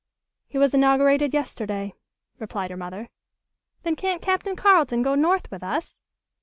"He was inaugurated yesterday," replied her mother. "Then can't Captain Carleton go north with us?"